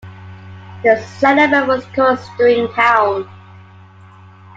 This settlement was called Stringtown.